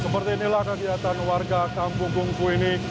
seperti inilah kegiatan warga kampung gungku ini